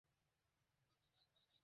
দুঃখের পরে সুখ আসে।